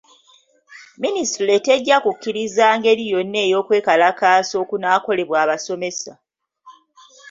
Minisitule tejja kukkiriza ngeri yonna ey'okwekalakaasa okunaakolebwa abasomesa.